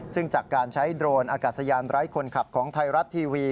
ซึ่งจากการใช้โดรนอากาศยานไร้คนขับของไทยรัฐทีวี